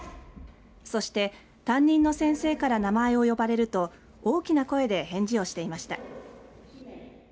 そして担任の先生から名前を呼ばれると大きな声で返事をしていました。